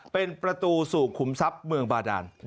เป็นประตูสู่ขุมทรัพย์เมืองบาดาน